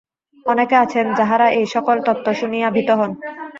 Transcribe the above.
অনেকে আছেন, যাঁহারা এই-সকল তত্ত্ব শুনিয়া ভীত হন।